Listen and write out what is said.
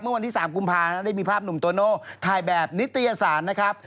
วันที่๓กุมภาได้มีภาพหนุ่มโตโน่ถ่ายแบบนิตยสารนะครับ